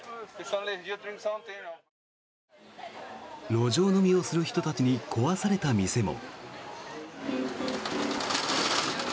路上飲みをする人たちに壊された店も。